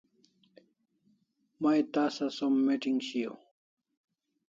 May tasa som meeting shiaw